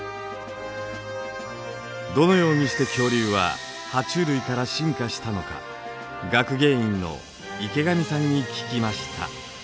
どのようにして恐竜はハチュウ類から進化したのか学芸員の池上さんに聞きました。